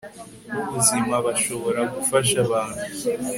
b'ubuzima bashobora gufasha abantu